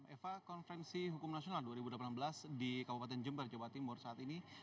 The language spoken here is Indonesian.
eva konferensi hukum nasional dua ribu delapan belas di kabupaten jember jawa timur saat ini